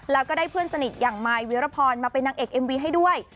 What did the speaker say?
แล้วก็ได้เพื่อนสนิทอย่างมายวิรพรมาเป็นนางเอกเอ็มวีให้ด้วย